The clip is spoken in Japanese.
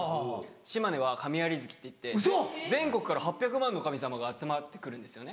島根は神在月っていって全国から８００万の神様が集まって来るんですよね。